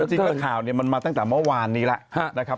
จริงแล้วข่าวเนี่ยมันมาตั้งแต่เมื่อวานนี้แล้วนะครับ